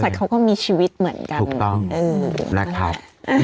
สัตว์เขาก็มีชีวิตเหมือนกัน